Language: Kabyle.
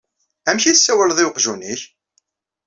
Amek i tsawaleḍ i weqjun-ik?